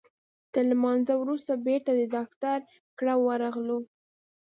تر لمانځه وروسته بیرته د ډاکټر کره ورغلو.